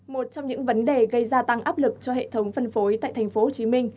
một trong những vấn đề gây gia tăng áp lực cho hệ thống phân phối tại tp hcm